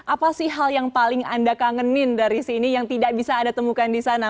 apa sih hal yang paling anda kangenin dari sini yang tidak bisa anda temukan di sana